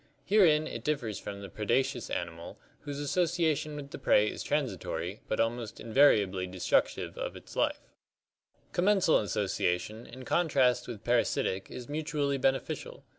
Herein it differs from the predaceous animal, whose association with the prey is transitory, but almost invariably destructive of its life. Commensal (Lat. com , together, and mensa, table) association in contrast with parasitic is mutually beneficial.